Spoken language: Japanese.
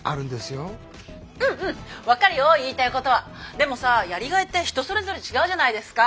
でもさやりがいって人それぞれ違うじゃないですか。